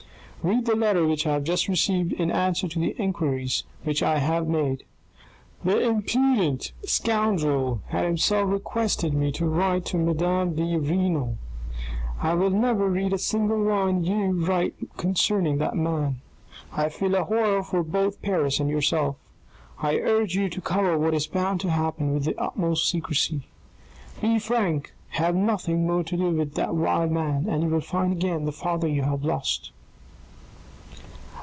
Read the letter which I have just received in answer to the enquiries which I have made. The impudent scoundrel had himself requested me to write to madame de Renal. I will never read a single line you write concerning that man. I feel a horror for both Paris and yourself. I urge you to cover what is bound to happen with the utmost secrecy. Be frank, have nothing more to do with the vile man, and you will find again the father you have lost."